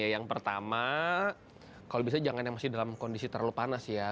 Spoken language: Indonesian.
yang pertama kalau bisa jangan yang masih dalam kondisi terlalu panas ya